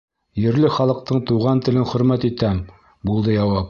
— Ерле халыҡтың туған телен хөрмәт итәм, — булды яуап.